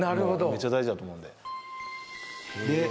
めっちゃ大事だと思うんで。